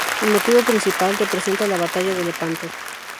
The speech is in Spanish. El motivo principal representa la Batalla de Lepanto.